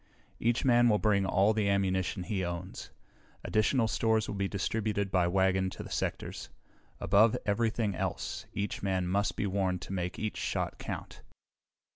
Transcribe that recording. Each man will bring all the ammunition he owns. Additional stores will be distributed by wagon to the sectors. Above everything else, each man must be warned to make each shot count."